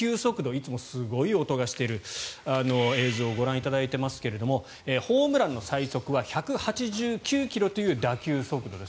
いつもすごい音がしている映像をご覧いただいていますがホームランの最速は１８９ｋｍという打球速度です。